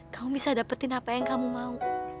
kamu bisa dapetin apa yang kamu mau